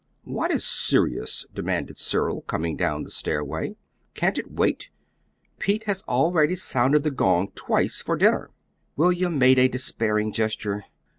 "What is serious?" demanded Cyril, coming down the stairway. "Can't it wait? Pete has already sounded the gong twice for dinner." William made a despairing gesture.